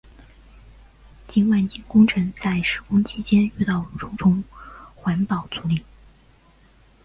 新万金工程在施工期间遇到重重环保阻力。